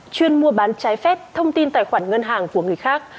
chuyên mua bán trái phép thông tin tài khoản ngân hàng của người khác